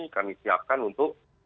kami siapkan untuk